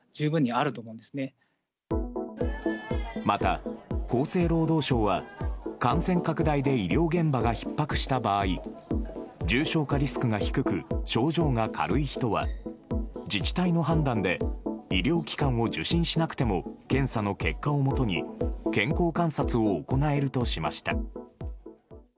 また、厚生労働省は感染拡大で医療現場がひっ迫した場合重症化リスクが低く症状が軽い人は、自治体の判断で医療機関を受診しなくても検査の結果をもとに健康観察を行えるとしました。